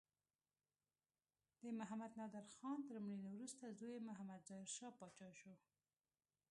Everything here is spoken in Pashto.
د محمد نادر خان تر مړینې وروسته زوی یې محمد ظاهر پاچا شو.